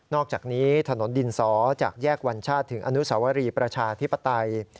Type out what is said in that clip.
อกจากนี้ถนนดินสอจากแยกวัญชาติถึงอนุสวรีประชาธิปไตย